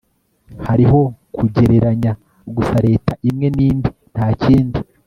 hariho kugereranya gusa leta imwe nindi, ntakindi